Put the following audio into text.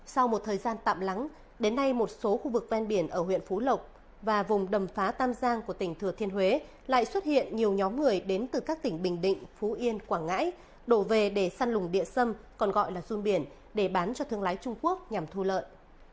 sau một thời gian tạm lắng đến nay một số khu vực ven biển ở huyện phú lộc và vùng đầm phá tam giang của tỉnh thừa thiên huế lại xuất hiện nhiều nhóm người đến từ các tỉnh bình định phú yên quảng ngãi đổ về để săn lùng địa xâm còn gọi là run biển để bán cho thương lái trung quốc nhằm thu lợi